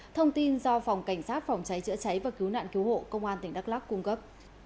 thông tin do phòng cảnh sát phòng cháy chữa cháy và cứu nạn cứu hộ công an tỉnh đắk lắc cung cấp